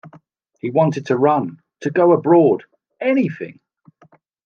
He wanted to run, to go abroad, anything.